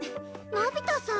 のび太さん。